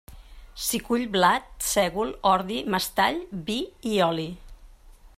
S'hi cull blat, sègol, ordi, mestall, vi i oli.